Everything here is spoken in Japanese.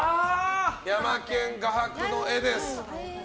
ヤマケン画伯の絵です。